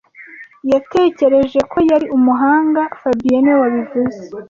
Yatekereje ko yari umuhanga fabien niwe wabivuze